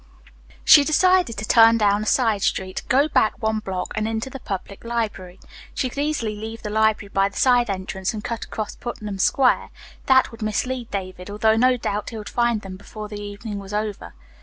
She decided to turn down a side street, go back one block and into the public library. She could easily leave the library by the side entrance and cut across Putnam Square. That would mislead David, although no doubt he would find them before the evening was over.